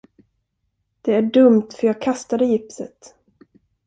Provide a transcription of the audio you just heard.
Det är dumt för jag kastade gipset.